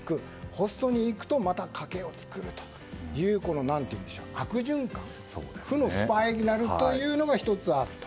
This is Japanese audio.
ホストに行くとまたカケを作るという悪循環負のスパイラルというのが１つあると。